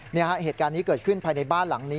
เหตุการณ์นี้เกิดขึ้นภายในบ้านหลังนี้